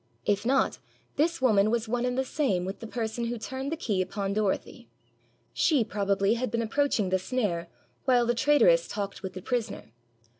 If not, this woman was one and the same with the person who turned the key upon Dorothy. She probably had been approaching the snare while the traitress talked with the prisoner.